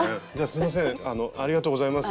すみませんありがとうございます。